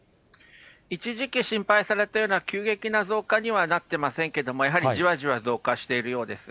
一時期心配されたような急激な増加にはなってませんけども、やはりじわじわ増加しているようです。